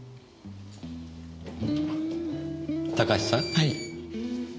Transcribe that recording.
はい。